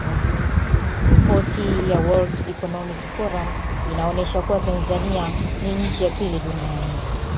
Ripoti ya Word Economic Forum inaonesha kuwa Tanzania ni nchi ya pili duniani